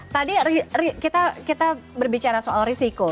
tadi kita berbicara soal risiko